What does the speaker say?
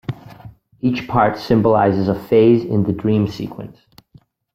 Each part symbolizes a phase in the dream sequence.